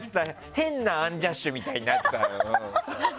変なアンジャッシュみたいになってた。